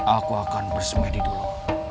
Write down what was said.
aku akan bersemedi dulu